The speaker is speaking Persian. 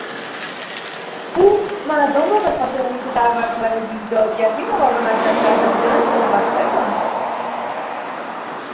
او مردم را به خاطر اینکه در برابر بیدادگری مقاومت نکرده بودند، مقصر دانست.